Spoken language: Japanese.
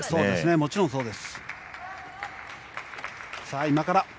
もちろんそうです。